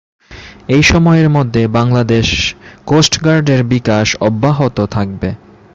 এই সময়ের মধ্যে বাংলাদেশ কোস্ট গার্ডের বিকাশ অব্যাহত থাকবে।